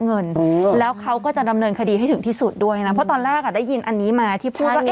เงินแล้วเขาก็จะดำเนินคดีให้ถึงที่สุดด้วยนะเพราะตอนแรกอ่ะได้ยินอันนี้มาที่พูดว่า